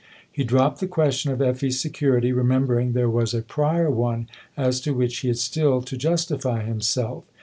He dropped the question of Effie's security, remembering there was a prior one as to which he had still to justify himself.